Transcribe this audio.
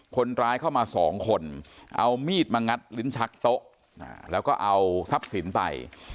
คนร้ายเข้ามาสองคนเอามีดมางัดลิ้นชักโต๊ะแล้วก็เอาทรัพย์สินไป